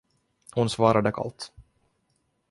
Hon svarade kallt.